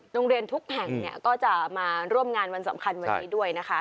โรงเรียนทุกแห่งเนี่ยก็จะมาร่วมงานวันสำคัญวันนี้ด้วยนะคะ